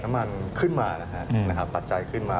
น้ำมันขึ้นมานะครับปัจจัยขึ้นมา